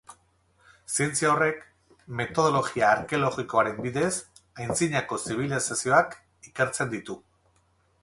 Zientzia horrek metodologia arkeologikoaren bidez antzinako zibilizazioak ikertzen ditu.